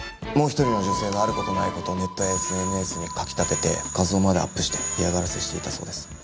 もう１人の女性のある事ない事をネットやＳＮＳに書き立てて画像までアップして嫌がらせしていたそうです。